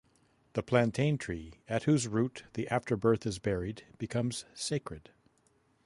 The plantain tree at whose root the afterbirth is buried becomes sacred.